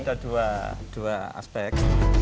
ada dua aspek